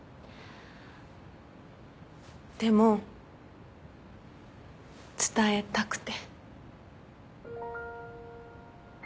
でも伝えたくて。